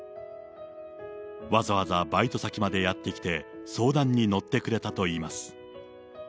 わざわざバイト先までやって来て、相談に乗ってくれたといいます。